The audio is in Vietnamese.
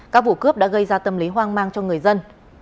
các vụ cướp đã gây ra tâm lý hoang mang cho người dân